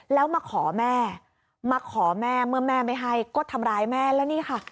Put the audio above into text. แล้วมาขอแม่มาขอแม่เมื่อแม่ไม่ให้ก็ทำร้ายแม่แล้วนี่ค่ะ